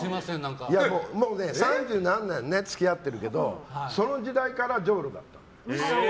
三十何年、付き合ってるけどその時代からジョウロだった。